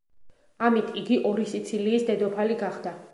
ამით იგი ორი სიცილიის დედოფალი გახდა.